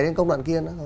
đến công đoạn kia